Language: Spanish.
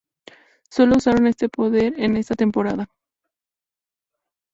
Solo usaron este poder en esta temporada.